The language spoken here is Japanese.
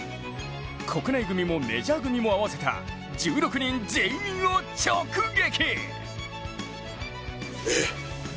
国内組もメジャー組も合わせた１６人全員を直撃。